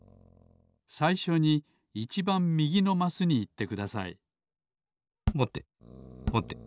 さいしょにいちばんみぎのマスにいってくださいぼてぼて。